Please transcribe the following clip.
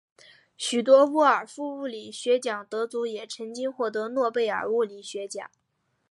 许多沃尔夫物理学奖得主也曾经获得诺贝尔物理学奖。